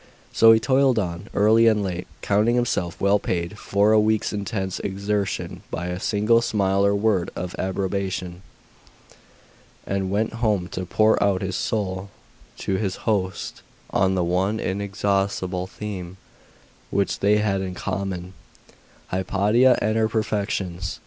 So he toiled on, early and late, counting himself well paid for a week's intense exertion by a single smile or word of approbation, and went home to pour out his soul to his host on the one inexhaustible theme which they had in common Hypatia and her perfections.